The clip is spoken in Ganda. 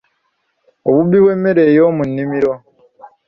Obubbi bw’emmere eyoomunnimiro.